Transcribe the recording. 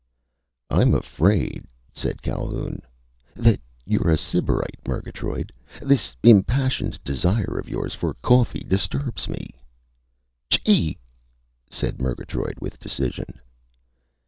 "I'm afraid," said Calhoun, "that you're a sybarite, Murgatroyd. This impassioned desire of yours for coffee disturbs me." "Chee!" said Murgatroyd, with decision.